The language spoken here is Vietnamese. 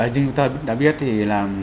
như chúng ta đã biết thì là